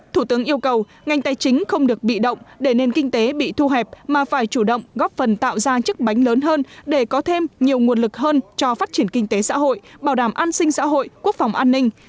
thủ tướng yêu cầu ngành tài chính không được bị động để nền kinh tế bị thu hẹp mà phải chủ động góp phần tạo ra chức bánh lớn hơn để có thêm nhiều nguồn lực hơn cho phát triển kinh tế xã hội bảo đảm an sinh xã hội quốc phòng an ninh